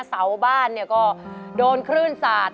เสัวบ้านก็โดนคลื่นสัด